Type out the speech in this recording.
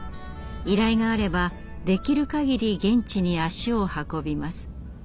依頼があればできるかぎり現地に足を運びます。